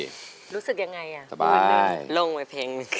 รู้สึกยังไงอ่ะสบายลงไปเพลง